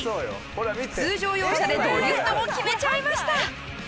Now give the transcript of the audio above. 普通乗用車でドリフトも決めちゃいました。